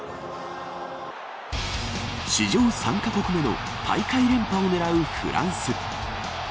史上３カ国目の大会連覇を狙うフランス。